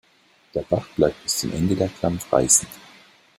Der Bach bleibt bis zum Ende der Klamm reißend.